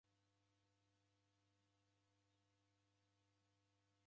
Kazoya kusekew'uya nanyuma.